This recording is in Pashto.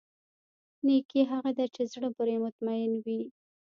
نېکي هغه ده چې زړه پرې مطمئن وي.